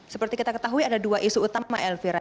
seperti kita ketahui ada dua isu utama elvira